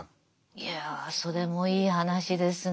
いやそれもいい話ですねぇ。